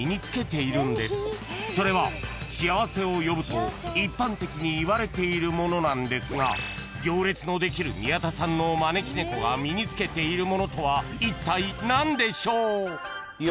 ［それは幸せを呼ぶと一般的にいわれているものなんですが行列のできる宮田さんの招き猫が身につけているものとはいったい何でしょう？］